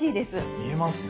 見えますね。